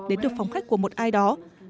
đến được phóng khách của một ai đó